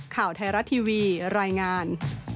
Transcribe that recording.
ข่าวไทยรัฐทีวีรายงาน